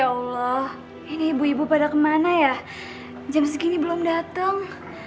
ya allah ini ibu ibu pada kemana ya jam segini belum datang